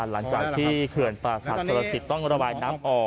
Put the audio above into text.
หลังจากที่เขือนประสาทเจรษฐ์ต้องระบายน้ำออ่อ